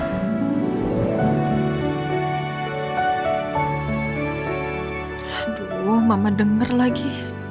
aduh mama denger lagi